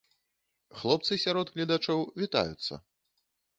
Хлопцы сярод гледачоў вітаюцца!